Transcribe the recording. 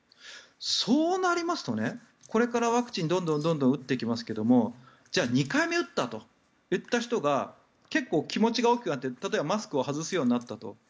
そうなりますとこれからワクチンどんどん打っていきますがじゃあ２回目打ったと言った人が結構、気持ちが大きくなって例えば、マスクを外すようになったと。